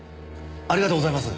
ありがとうございます！